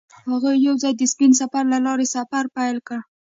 هغوی یوځای د سپین سفر له لارې سفر پیل کړ.